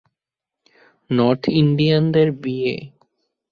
North ইন্ডিয়ানদের বিয়ে।